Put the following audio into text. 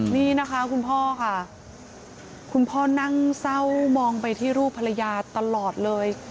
นี่นะคะคุณพ่อค่ะคุณพ่อนั่งเศร้ามองไปที่รูปภรรยาตลอดเลย